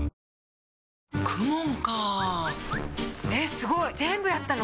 すごい全部やったの？